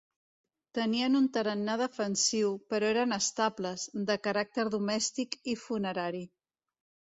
Tenien un tarannà defensiu, però eren estables, de caràcter domèstic i funerari.